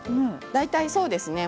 大体そうですね。